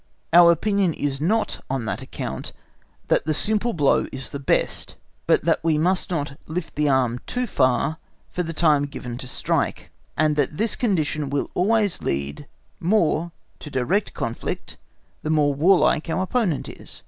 Our opinion is not on that account that the simple blow is the best, but that we must not lift the arm too far for the time given to strike, and that this condition will always lead more to direct conflict the more warlike our opponent is.